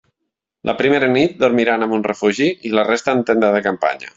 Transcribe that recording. La primera nit dormiran en un refugi i la resta en tenda de campanya.